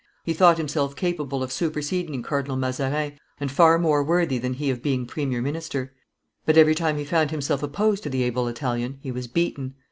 He thought himself capable of superseding Cardinal Mazarin, and far more worthy than he of being premier minister; but every time he found himself opposed to the able Italian he was beaten.